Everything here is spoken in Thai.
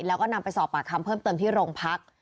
แล้วก็นำไปสอบปากคำเพิ่มเติมที่โรงพัก